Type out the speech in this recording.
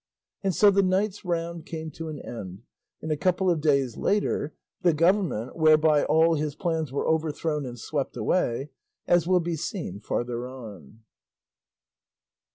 And so the night's round came to an end, and a couple of days later the government, whereby all his plans were overthrown and swept away, as will be seen farther on.